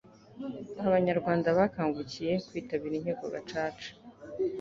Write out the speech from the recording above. abanyarwanda bakangukiye kwitabira inkiko gacaca